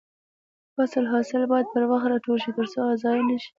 د فصل حاصل باید پر وخت راټول شي ترڅو ضايع نشي.